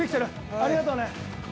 ありがとうね。